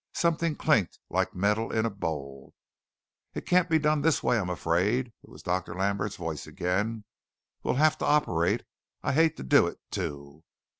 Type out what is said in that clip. Something clinked like metal in a bowl. "It can't be done this way, I'm afraid," it was Dr. Lambert's voice again. "We'll have to operate. I hate to do it, too."